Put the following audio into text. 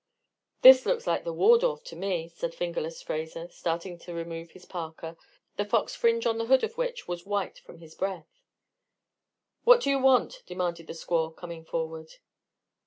"This looks like the Waldorf to me," said "Fingerless" Fraser, starting to remove his parka, the fox fringe on the hood of which was white from his breath. "What you want?" demanded the squaw, coming forward.